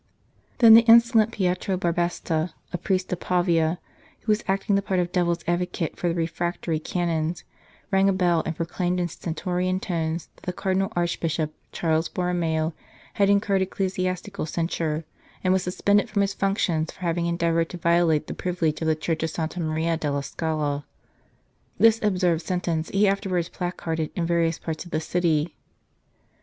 Then the insolent Pietro Barbesta, a priest of Pavia, who was acting the part of devil s advocate for the refractory Canons, rang a bell and pro claimed in stentorian tones that the Cardinal Archbishop Charles Borromeo had incurred eccle siastical censure, and was suspended from his functions for having endeavoured to violate the privilege of the Church of Santa Maria della Scala. This absurd sentence he afterwards placarded in various parts of the city.